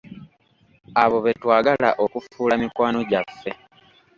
Abo betwagala okufuula mikwano gyaffe.